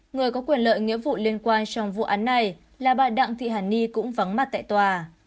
người có quyền lợi nghĩa vụ liên quan trong vụ án này là bà đặng thị hàn ni cũng vắng mặt tại tòa